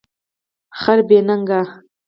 خر بی نګه